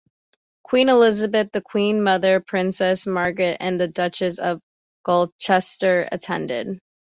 Queen Elizabeth The Queen Mother, Princess Margaret, and the Duchess of Gloucester attended.